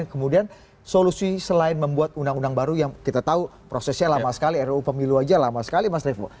kemudian solusi selain membuat undang undang baru yang kita tahu prosesnya lama sekali ruu pemilu aja lama sekali mas revo